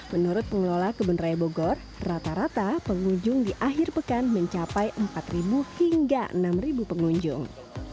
menurut pengelola kebun raya bogor rata rata pengunjung di akhir pekan mencapai empat hingga enam pengunjung